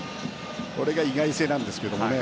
これが意外性なんですけどね。